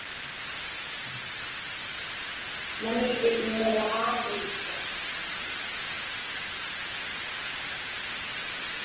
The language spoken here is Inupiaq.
Naŋirvik niġiraġaaġviitchuq.